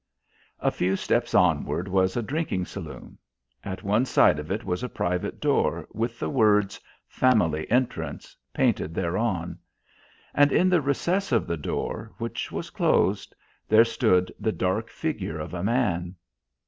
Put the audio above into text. A few steps onward was a drinking saloon. At one side of it was a private door with the words "Family entrance" painted thereon. And in the recess of the door (which was closed) there stood the dark figure of a man.